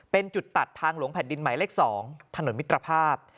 เป็นจุดตัดทางหลวงแผ่นดินหมายเลข๒ถนนมิตรภาพ